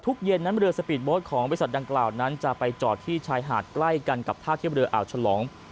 ทุกเย็นน้ำเรือสปีดโบสต์ของวิสัตว์ดังกล่าวจะไปจอดที่ชายหาดใกล้กับท่าเที่ยวเรืออ่าวฉลอง